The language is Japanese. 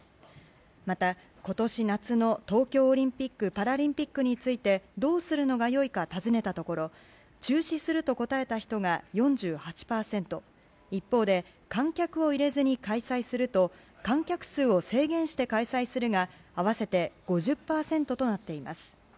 また今年夏の東京オリンピック・パラリンピックについてどうするのが良いか尋ねたところ中止すると答えた人が４８％一方で観客を入れずに開催すると観客数を制限して開催するが合わせて５０％となっています。